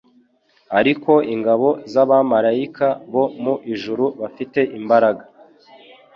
Ariko ingabo z'abamaraika bo mu ijuru bafite imbaraga